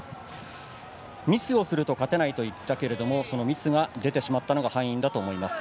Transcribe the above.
ミスをすると勝てないと言ったけれどもそのミスが出てしまったのが敗因だと思います。